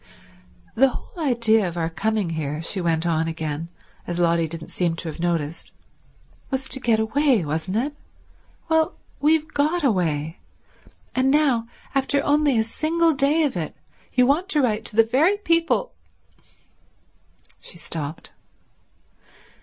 "The whole idea of our coming here," she went on again, as Lotty didn't seem to have noticed, "was to get away, wasn't it? Well, we've got away. And now, after only a single day of it, you want to write to the very people—" She stopped.